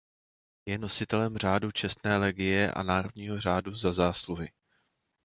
Je nositelem Řádu čestné legie a Národního řádu za zásluhy.